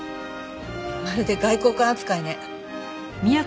まるで外交官扱いね。